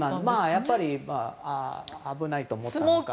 やっぱり危ないと思ったのか。